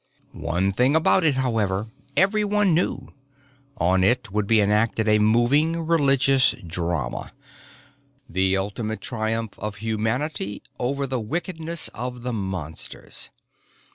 One thing about it, however, everyone knew. On it would be enacted a moving religious drama: the ultimate triumph of humanity over the wickedness of the Monsters.